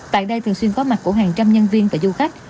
tại đây thường xuyên có mặt của hàng trăm nhân viên và du khách